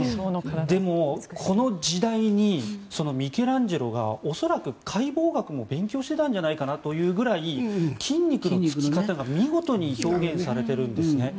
でも、この時代にミケランジェロが恐らく、解剖学も勉強してたんじゃないかというぐらい筋肉のつき方が見事に表現されているんですね。